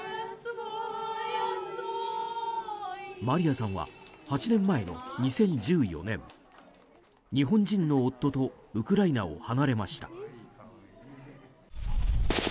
マリアさんは８年前の２０１４年日本人の夫とウクライナを離れました。